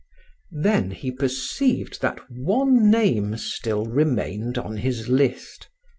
Then he perceived that one name still remained on his list.